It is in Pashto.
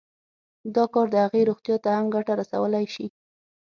دا کار د هغې روغتيا ته هم ګټه رسولی شي